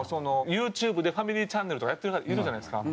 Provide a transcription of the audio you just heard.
ユーチューブでファミリーチャンネルとかやってる方いるじゃないですか。